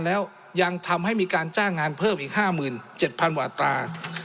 แล้วยังทำให้มีการจ้างงานเพิ่มอีก๕๗๐๐กว่าตรา